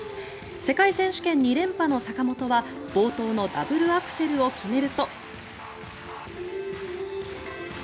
世界選手権２連覇の坂本は冒頭のダブルアクセルを決めると。